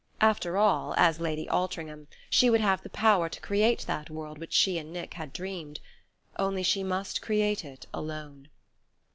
After all, as Lady Altringham she would have the power to create that world which she and Nick had dreamed... only she must create it alone.